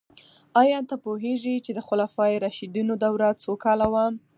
آیا ته پوهیږې چې د خلفای راشدینو دوره څو کاله وه؟